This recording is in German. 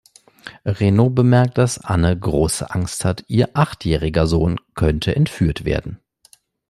Reno bemerkt, dass Anne große Angst hat, ihr achtjähriger Sohn könnte entführt werden.